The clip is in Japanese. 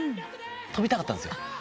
跳びたかったんですよ。